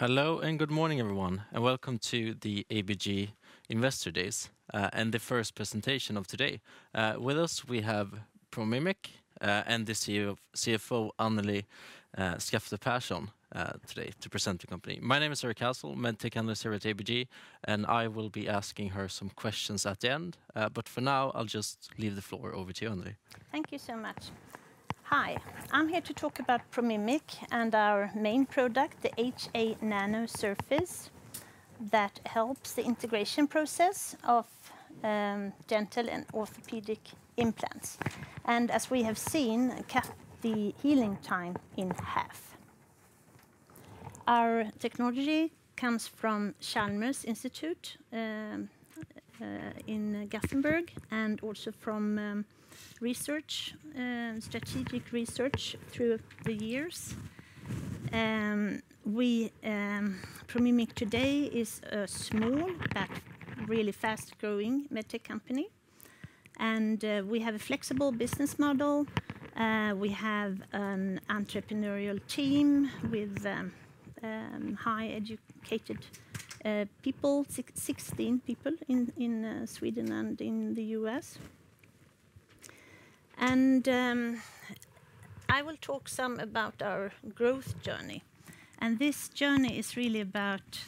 Hello, good morning everyone, and welcome to the ABG Investor Days, and the first presentation of today. With us we have Promimic, and the CFO Anneli Skafte Persson today to present the company. My name is Erik Hultgård, medtech analyst here at ABG, I will be asking her some questions at the end. For now, I'll just leave the floor over to you, Anneli. Thank you so much. Hi, I'm here to talk about Promimic and our main product, the HAnano Surface, that helps the integration process of dental and orthopedic implants, and as we have seen, cut the healing time in half. Our technology comes from Chalmers Institute in Gothenburg and also from research, strategic research through the years. We, Promimic today is a small but really fast-growing medtech company. We have a flexible business model. We have an entrepreneurial team with high-educated people, 16 people in Sweden and in the U.S. I will talk some about our growth journey, and this journey is really about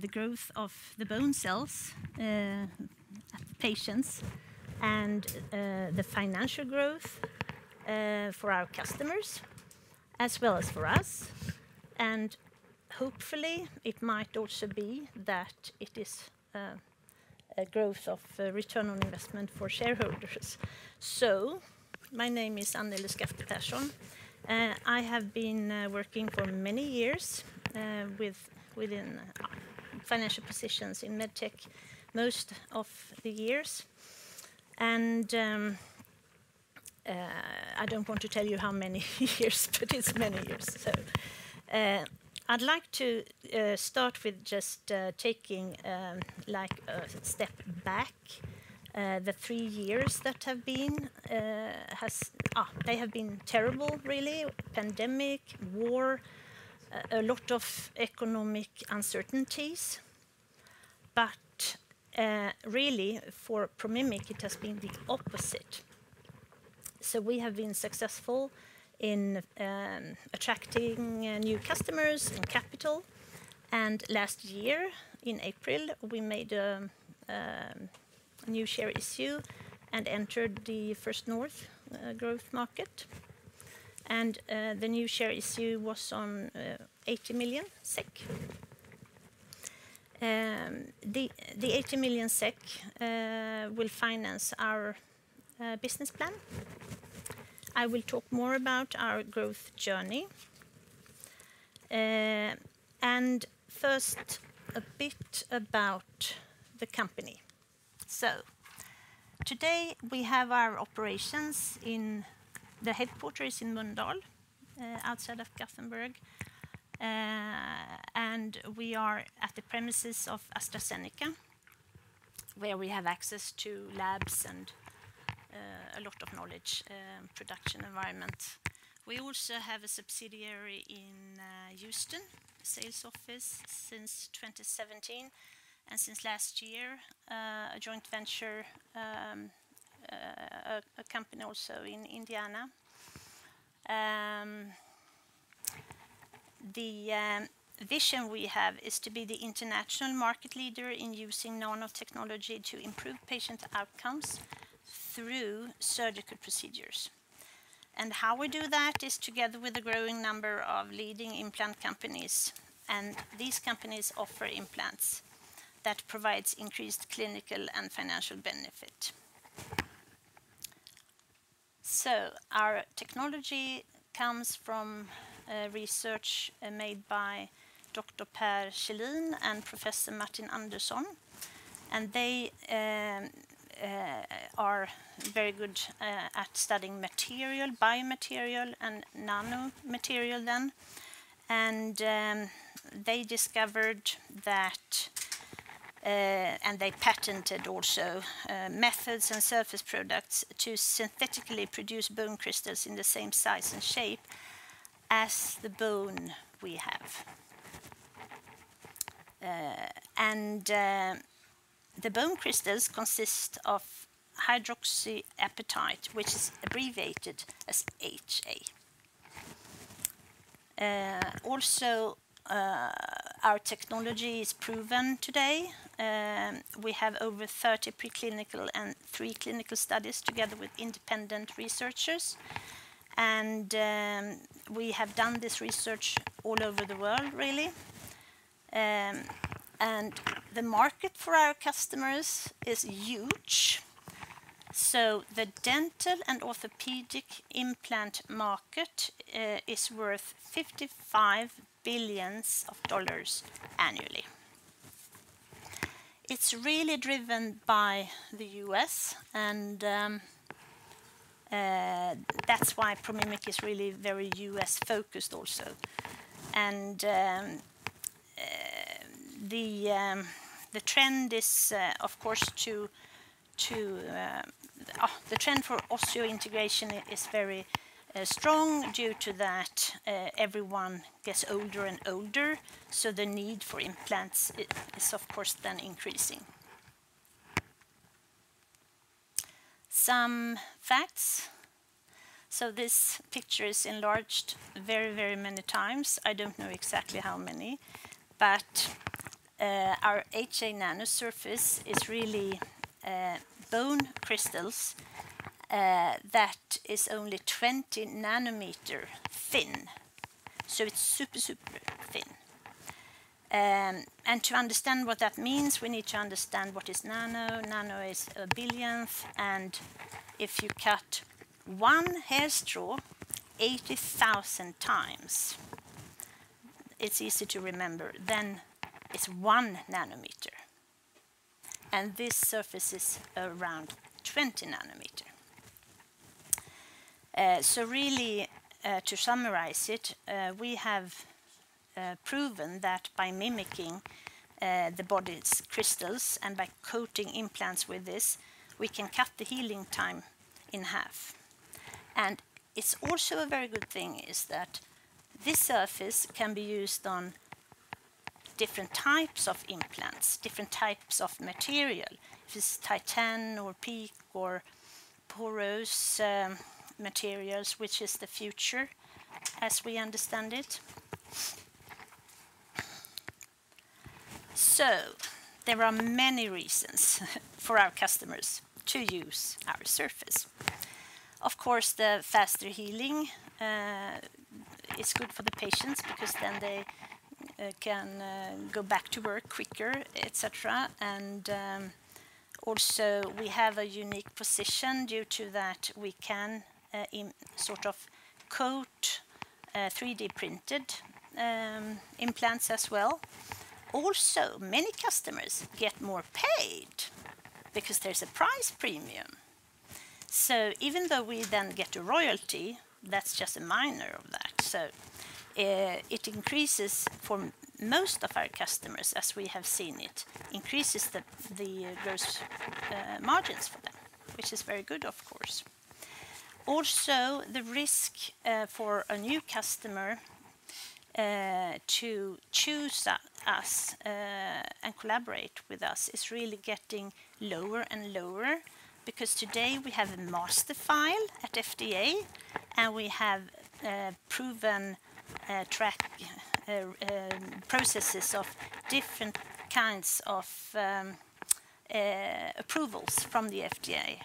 the growth of the bone cells, patients and the financial growth for our customers as well as for us. Hopefully, it might also be that it is a growth of return on investment for shareholders. My name is Anneli Skafte Persson. I have been working for many years within financial positions in medtech most of the years. I don't want to tell you how many years, but it's many years. I'd like to start with just taking like a step back. The three years that have been, they have been terrible, really. Pandemic, war, a lot of economic uncertainties. Really for Promimic, it has been the opposite. We have been successful in attracting new customers and capital. Last year in April, we made a new share issue and entered the First North Growth Market. The new share issue was on 80 million SEK. The 80 million SEK will finance our business plan. I will talk more about our growth journey. First, a bit about the company. Today, we have our operations the headquarters in Mölndal, outside of Gothenburg. We are at the premises of AstraZeneca, where we have access to labs and a lot of knowledge, production environment. We also have a subsidiary in Houston sales office since 2017. Since last year, a joint venture, a company also in Indiana. The vision we have is to be the international market leader in using nanotechnology to improve patient outcomes through surgical procedures. How we do that is together with a growing number of leading implant companies, and these companies offer implants that provides increased clinical and financial benefit. Our technology comes from research made by Dr. Per Kjellin and Professor Martin Andersson, and they are very good at studying material, biomaterial and nano material then. They discovered that and they patented also methods and surface products to synthetically produce bone crystals in the same size and shape as the bone we have. The bone crystals consist of hydroxyapatite, which is abbreviated as HA. Also, our technology is proven today. We have over 30 preclinical and three clinical studies together with independent researchers, and we have done this research all over the world, really. The market for our customers is huge. The dental and orthopedic implant market is worth $55 billion annually. It's really driven by the U.S. And that's why Promimic is really very U.S.-focused also. The trend is of course to, the trend for osseointegration is very strong due to that everyone gets older and older, the need for implants is of course then increasing. Some facts. This picture is enlarged very many times. I don't know exactly how many, our HAnano Surface is really bone crystals that is only 20 nm thin, it's super thin. To understand what that means, we need to understand what is nano. Nano is a billionth, and if you cut one hair straw 80,000x, it's easy to remember, then it's 1 nm, and this surface is around 20 nm. To summarize it, we have proven that by mimicking the body's crystals and by coating implants with this, we can cut the healing time in half. It's also a very good thing is that this surface can be used on different types of implants, different types of material. If it's Titanium or PEEK or porous materials, which is the future as we understand it. There are many reasons for our customers to use our surface. Of course, the faster healing is good for the patients because then they can go back to work quicker, et cetera. Also we have a unique position due to that we can coat 3D printed implants as well. Also, many customers get more paid because there's a price premium. Even though we then get a royalty, that's just a minor of that. It increases for most of our customers, as we have seen it, increases the gross margins for them, which is very good, of course. Also, the risk for a new customer to choose us and collaborate with us is really getting lower and lower because today we have a Master File at FDA, and we have proven track processes of different kinds of approvals from the FDA.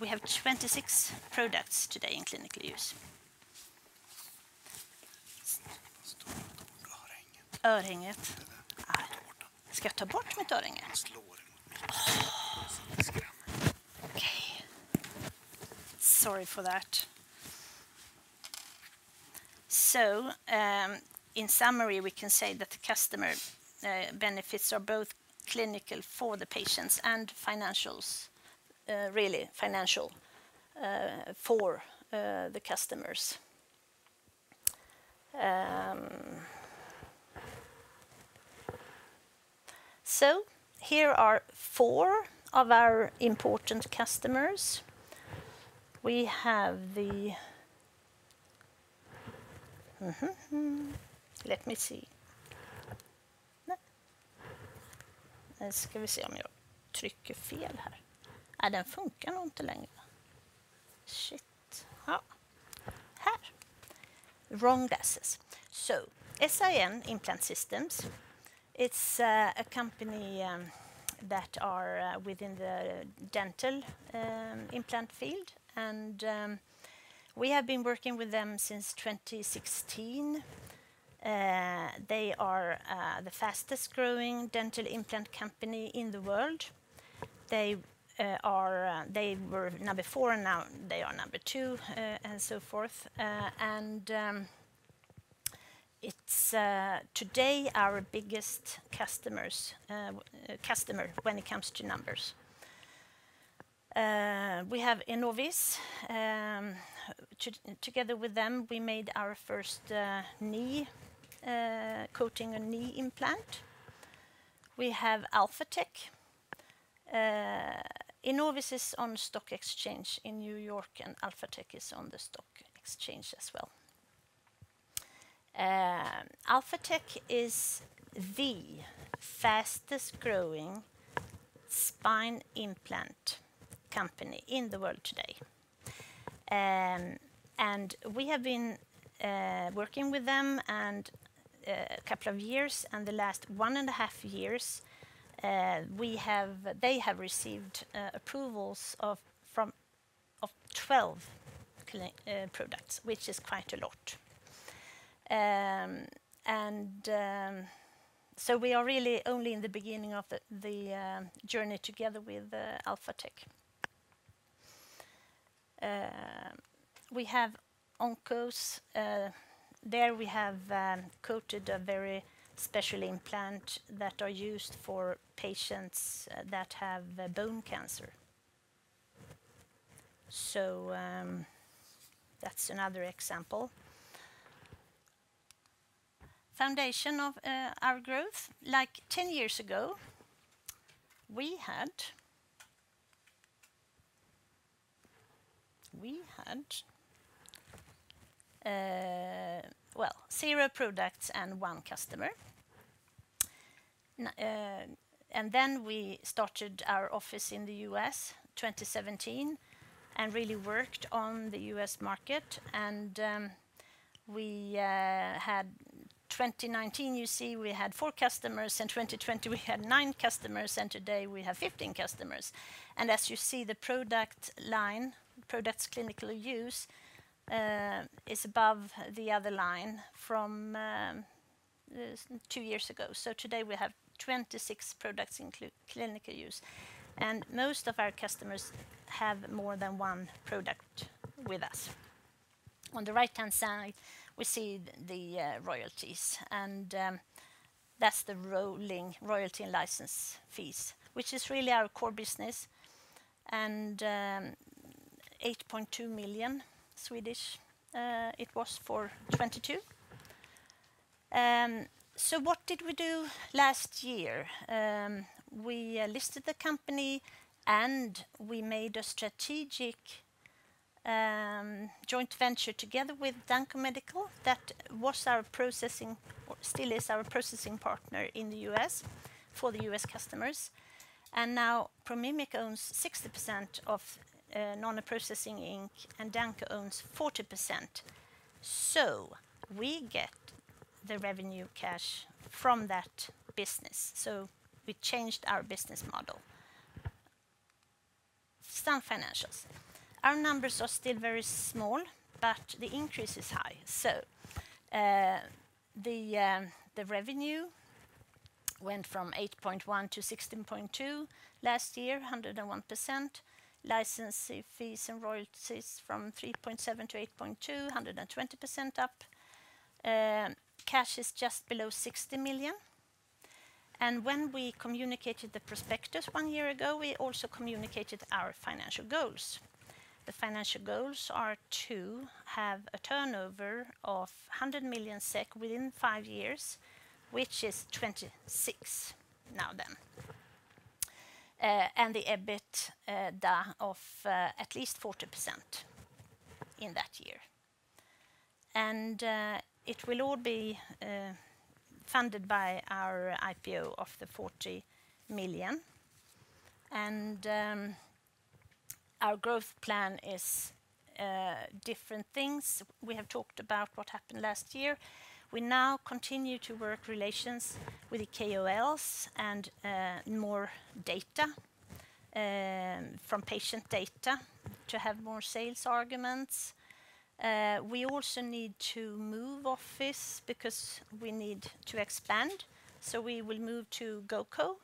We have 26 products today in clinical use. Okay. Sorry for that. In summary, we can say that the customer benefits are both clinical for the patients and financials, really financial for the customers. Here are four of our important customers. We have the... Let me see. Shit. Oh. Here. Wrong glasses. S.I.N. Implant System, it's a company that are within the dental implant field, and we have been working with them since 2016. They are the fastest growing dental implant company in the world. They are, they were number four, now they are number two, and so forth. It's today our biggest customer when it comes to numbers. We have Enovis. Together with them, we made our first knee coating a knee implant. We have Alphatec. Enovis is on stock exchange in New York, and Alphatec is on the stock exchange as well. Alphatec is the fastest growing spine implant company in the world today. We have been working with them a couple of years, and the last 1.5 years, they have received approvals of 12 products, which is quite a lot. We are really only in the beginning of the journey together with Alphatec. We have Onkos. There we have coated a very special implant that are used for patients that have bone cancer. That's another example. Foundation of our growth. Like 10 years ago, we had, well, zero products and one customer. We started our office in the U.S., 2017 and really worked on the U.S. market. 2019, you see we had four customers. In 2020, we had nine customers, and today we have 15 customers. As you see, the product line, products clinical use is above the other line from two years ago. Today we have 26 products in clinical use, and most of our customers have more than one product with us. On the right-hand side, we see the royalties and that's the rolling royalty and license fees, which is really our core business, and 8.2 million it was for 2022. What did we do last year? We listed the company, and we made a strategic joint venture together with Danco Medical that was our processing or still is our processing partner in the U.S. for the U.S. customers. Now, Promimic owns 60% of Nano Processing, Inc., and Danco owns 40%. We get the revenue cash from that business, so we changed our business model. Some financials. Our numbers are still very small, but the increase is high. The revenue went from 8.1 million to 16.2 million last year, 101%. License fees and royalties from 3.7 million to 8.2 million, 120% up. Cash is just below 60 million. When we communicated the prospectus one year ago, we also communicated our financial goals. The financial goals are to have a turnover of 100 million SEK within five years, which is 26 now then. The EBITDA of at least 40% in that year. It will all be funded by our IPO of 40 million. Our growth plan is different things. We have talked about what happened last year. We now continue to work relations with the KOLs and more data from patient data to have more sales arguments. We also need to move office because we need to expand, so we will move to GoCo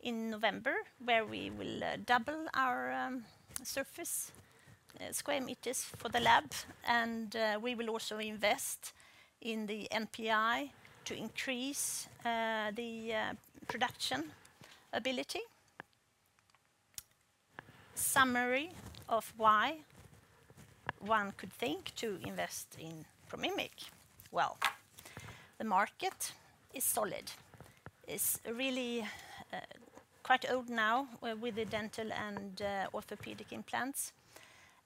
in November, where we will double our surface square meters for the lab. We will also invest in the NPI to increase the production ability. Summary of why one could think to invest in Promimic. Well, the market is solid. It's really quite old now with the dental and orthopedic implants,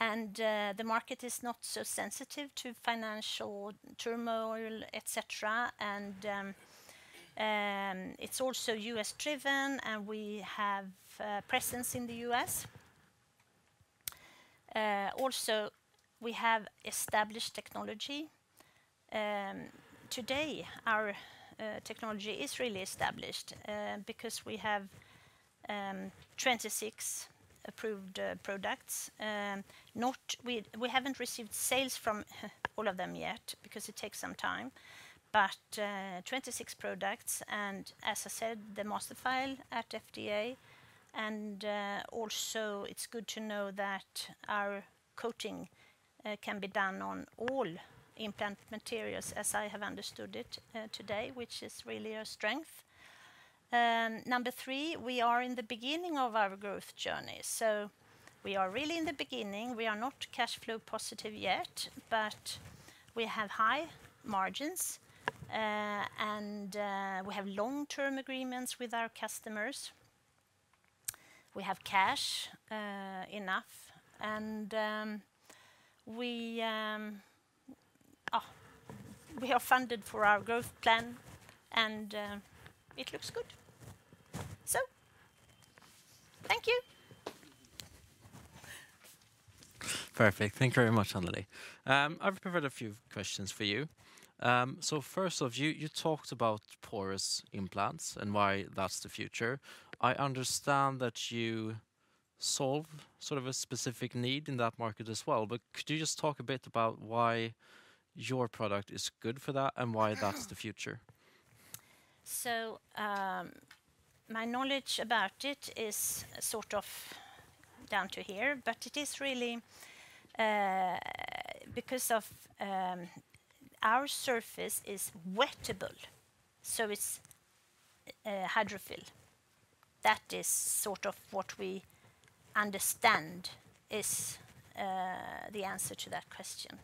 and the market is not so sensitive to financial turmoil, et cetera. It's also U.S.-driven, and we have presence in the U.S.. Also we have established technology. Today our technology is really established because we have 26 approved products. We haven't received sales from all of them yet because it takes some time. 26 products and, as I said, the Master File at FDA. Also it's good to know that our coating can be done on all implant materials, as I have understood it today, which is really a strength. Number three, we are in the beginning of our growth journey, so we are really in the beginning. We are not cash flow positive yet, but we have high margins, and we have long-term agreements with our customers. We have cash enough, and we are funded for our growth plan, and it looks good. Thank you. Perfect. Thank you very much, Anneli. I've prepared a few questions for you. First off, you talked about porous implants and why that's the future. I understand that you solve sort of a specific need in that market as well, but could you just talk a bit about why your product is good for that and why that's the future? My knowledge about it is sort of down to here, but it is really because of our surface is wettable, so it's hydrophilic. That is sort of what we understand is the answer to that question.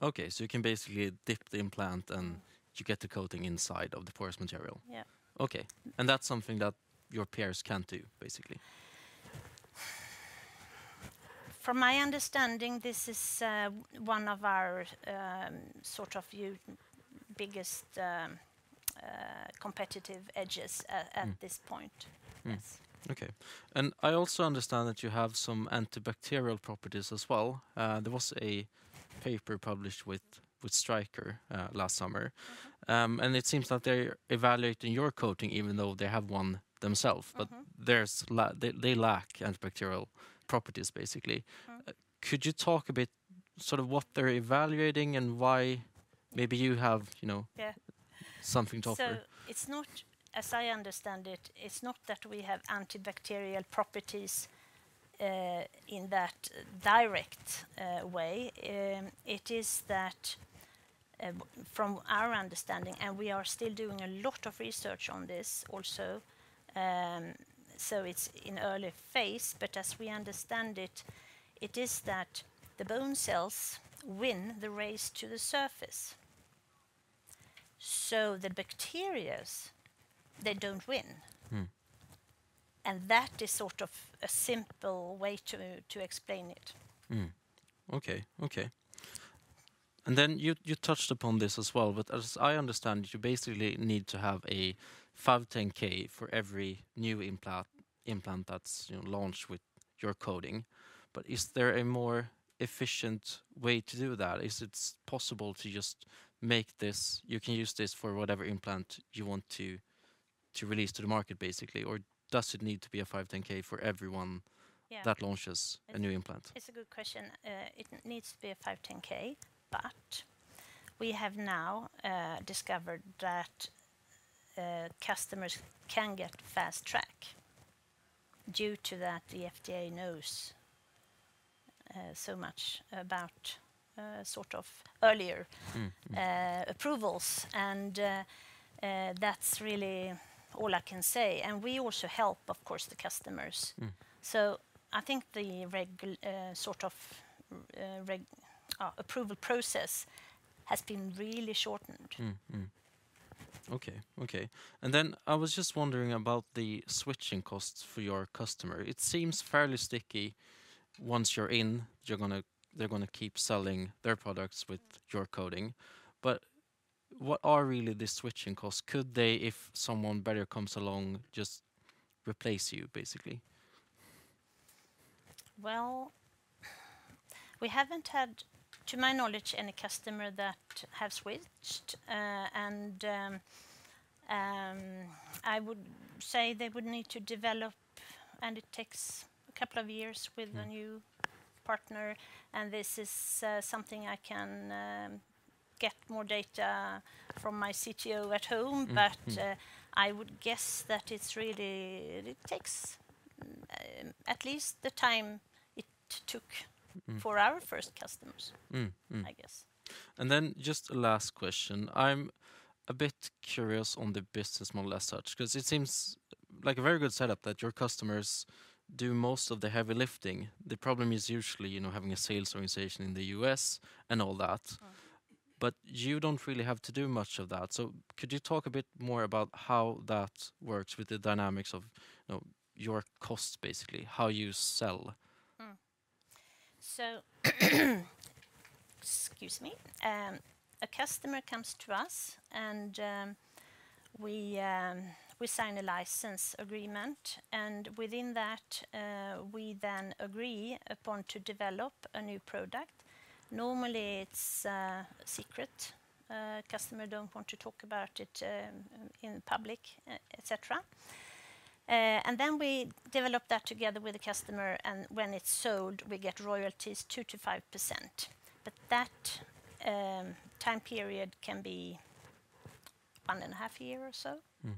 Okay. You can basically dip the implant and you get the coating inside of the porous material? Yeah. Okay. That's something that your peers can't do, basically? From my understanding, this is, one of our, sort of biggest, competitive edges at this point. Mm. Yes. Okay. I also understand that you have some antibacterial properties as well. There was a paper published with Stryker last summer. It seems that they're evaluating your coating even though they have one themself. Uh-huh. They lack antibacterial properties, basically. Uh-huh. Could you talk a bit sort of what they're evaluating and why maybe you have, you know... Yeah... something to offer? It's not, as I understand it's not that we have antibacterial properties in that direct way. It is that, from our understanding, and we are still doing a lot of research on this also, so it's in early phase, but as we understand it is that the bone cells win the race to the surface, so the bacteria, they don't win. Mm. That is sort of a simple way to explain it. Mm. Okay. Okay. You, you touched upon this as well, but as I understand it, you basically need to have a 510 for every new implant that's, you know, launched with your coating. Is there a more efficient way to do that? Is it possible to just make this, you can use this for whatever implant you want to release to the market, basically? Does it need to be a 510 for everyone? Yeah... that launches a new implant? It's a good question. It needs to be a 510(k). We have now discovered that customers can get fast track due to that the FDA knows so much about. Mm. Mm.... approvals and, that's really all I can say. We also help, of course, the customers. Mm. I think the sort of approval process has been really shortened. I was just wondering about the switching costs for your customer. It seems fairly sticky. Once you're in, they're gonna keep selling their products with your coating. What are really the switching costs? Could they, if someone better comes along, just replace you, basically? We haven't had, to my knowledge, any customer that has switched, and I would say they would need to develop, and it takes a couple of years. Mm... a new partner, and this is something I can get more data from my CTO at home. Mm. Mm. I would guess that it's really. It takes at least the time. Mm... for our first customers. Mm. Mm I guess. Just a last question. I'm a bit curious on the business model as such, 'cause it seems like a very good setup that your customers do most of the heavy lifting. The problem is usually, you know, having a sales organization in the U.S. and all that. Oh. You don't really have to do much of that. Could you talk a bit more about how that works with the dynamics of, you know, your costs, basically, how you sell? Excuse me. A customer comes to us and we sign a license agreement, and within that, we then agree upon to develop a new product. Normally, it's secret. Customer don't want to talk about it in public, et cetera. We develop that together with the customer, and when it's sold, we get royalties 2%-5%. That time period can be 1.5 year or so. Mm.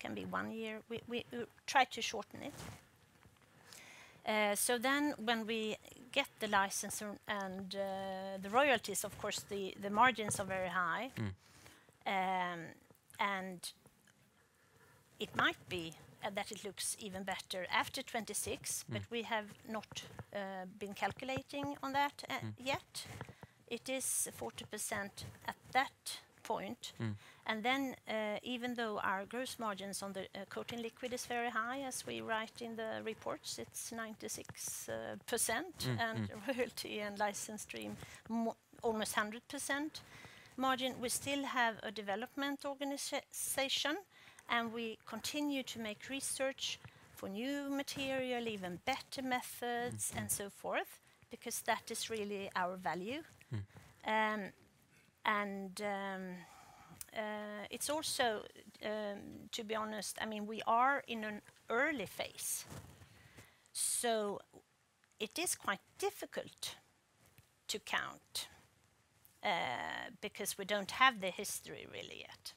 Can be one year. We try to shorten it. When we get the license and the royalties, of course, the margins are very high. Mm. It might be that it looks even better after 2026. Mm. We have not been calculating on that yet. Mm. It is 40% at that point. Mm. Even though our gross margins on the coating liquid is very high, as we write in the reports, it's 96%. Mm. Mm.... and royalty and license stream almost 100% margin, we still have a development organization, and we continue to make research for new material, even better methods. Mm... and so forth, because that is really our value. Mm. It's also, to be honest, I mean, we are in an early phase, so it is quite difficult to count, because we don't have the history really yet.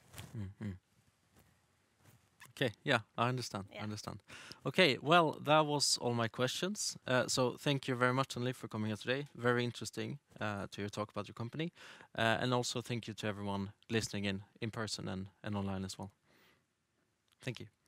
Mm. Mm. Okay. Yeah. I understand. Yeah. I understand. Okay. Well, that was all my questions. Thank you very much, Anneli, for coming here today. Very interesting to hear you talk about your company. Also thank you to everyone listening in person and online as well. Thank you. Thank you.